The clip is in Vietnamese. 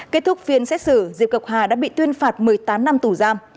kết thúc phiên xét xử diệp hà đã bị tuyên phạt một mươi tám năm tù giam